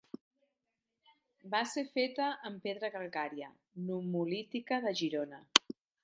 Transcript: Va ser feta amb pedra calcària nummulítica de Girona.